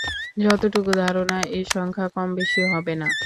যতটুকু ধারণা এ সংখ্যা কমবেশী হবে না।